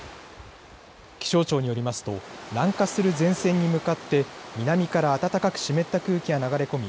気象庁によりますと南下する前線に向かって南から暖かく湿った空気が流れ込み